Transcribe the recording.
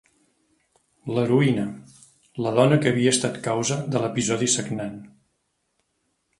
L'heroïna, la dona que havia estat causa de l'episodi sagnant.